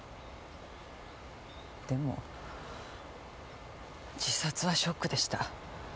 でも自殺はショックでした。